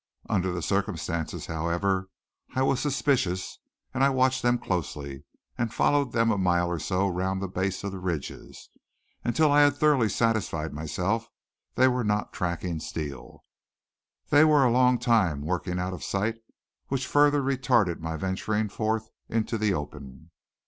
Under the circumstances, however, I was suspicious, and I watched them closely, and followed them a mile or so round the base of the ridges, until I had thoroughly satisfied myself they were not tracking Steele. They were a long time working out of sight, which further retarded my venturing forth into the open.